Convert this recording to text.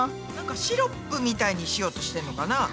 シロップみたいにしようとしてんのかな？